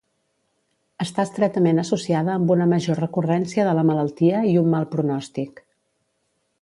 Està estretament associada amb una major recurrència de la malaltia i un mal pronòstic.